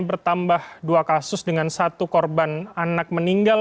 bertambah dua kasus dengan satu korban anak meninggal